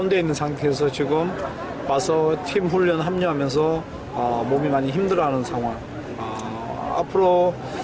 jadi sekarang dia sudah berlatih bersama tim dan dia sudah sangat keras